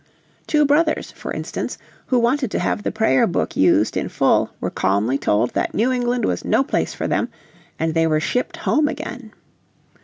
Two brothers for instance who wanted to have the Prayer Book used in full were calmly told that New England was no place for them, and they were shipped home again.